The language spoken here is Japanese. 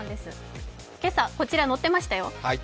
今朝、こちら載ってましたよ。